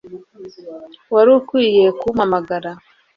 Wari ukwiye kumpamagara